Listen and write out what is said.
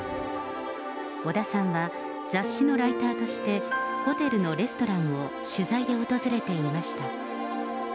小田さんは、雑誌のライターとして、ホテルのレストランを取材で訪れていました。